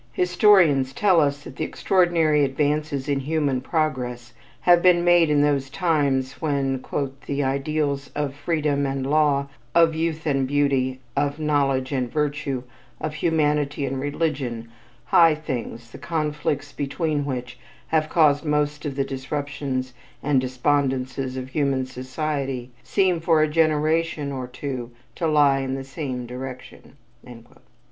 Historians tell us that the extraordinary advances in human progress have been made in those times when "the ideals of freedom and law, of youth and beauty, of knowledge and virtue, of humanity and religion, high things, the conflicts between which have caused most of the disruptions and despondences of human society, seem for a generation or two to lie in the same direction."